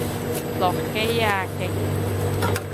落機啊！勁！